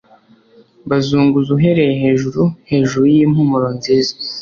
Bazunguza uhereye hejuru hejuru yimpumuro nziza